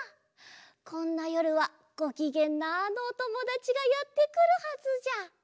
こんなよるはごきげんなあのおともだちがやってくるはずじゃ。